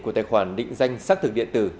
của tài khoản định danh xác thực điện tử